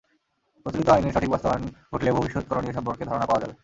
প্রচলিত আইনের সঠিক বাস্তবায়ন ঘটলে ভবিষ্যৎ করণীয় সম্পর্কে ধারণা পাওয়া যাবে।